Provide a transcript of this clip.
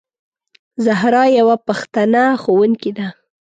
زهرا یوه پښتنه ښوونکې ده.